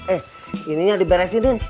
eh ininya diberesin nin